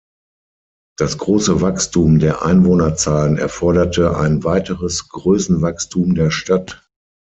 Das große Wachstum der Einwohnerzahlen erforderte ein weiteres Größenwachstum der Stadt.